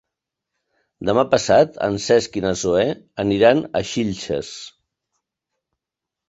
Demà passat en Cesc i na Zoè aniran a Xilxes.